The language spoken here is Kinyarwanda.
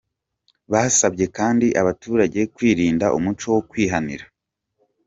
Basabye kandi abaturage kwirinda umuco wo kwihanira.